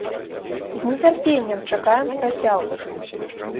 З нецярпеннем чакаем працягу!